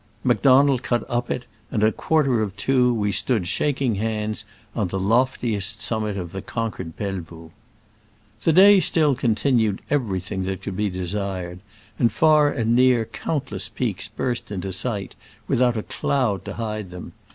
Macdonald cut up it, and at a quarter to two we stood shaking hands on the loftiest summit of the conquered Pelvoux ! The day still continued everything that could be desired, and far and near countless peaks burst into sight, without a cloud to hide them.